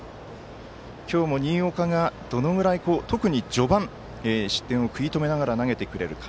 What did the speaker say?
今日も新岡がどのぐらい特に序盤、失点を食い止めながら投げてくれるか。